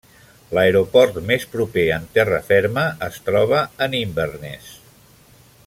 L'aeroport més proper en terra ferma es troba en Inverness.